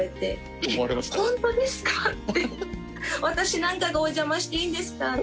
私なんかがおじゃましていいんですか？